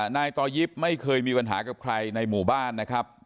นายต่อยิปไม่เคยมีปัญหากับใครในหมู่บ้านนะครับ